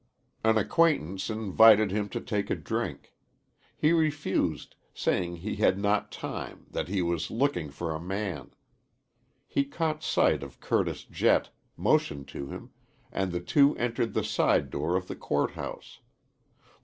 An acquaintance invited him to take a drink. He refused, saying he had not time, that he was looking for a man. He caught sight of Curtis Jett, motioned to him, and the two entered the side door of the court house.